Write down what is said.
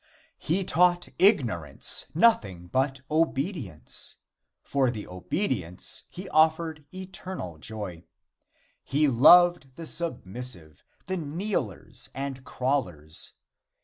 He taught ignorance nothing but obedience, and for obedience he offered eternal joy. He loved the submissive the kneelers and crawlers.